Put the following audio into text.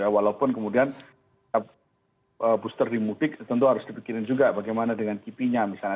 walaupun kemudian booster di mudik tentu harus dipikirin juga bagaimana dengan kipinya misalnya